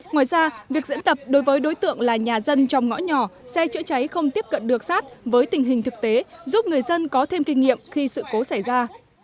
ngoài ra việc diễn tập đối với đối tượng là nhà dân trong ngõ nhỏ xe chữa cháy không tiếp cận được sát với tình hình thực tế giúp người dân có thêm kinh nghiệm khi sự cố xảy ra